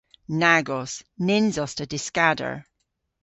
Nag os. Nyns os ta dyskador.